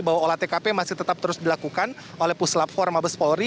bahwa olah tkp masih tetap terus dilakukan oleh puslap empat mabes polri